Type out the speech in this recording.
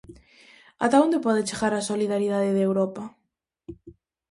Ata onde pode chegar a solidariedade de Europa?